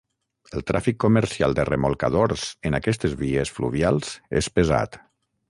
El tràfic comercial de remolcadors en aquestes vies fluvials és pesat.